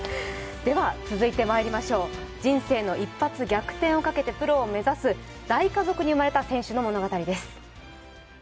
では続いて参りましょう、人生の一発逆転をかけてプロを目指す大家族に生まれた選手の物語です。